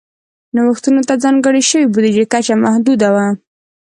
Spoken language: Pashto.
نوښتونو ته ځانګړې شوې بودیجې کچه محدوده وه.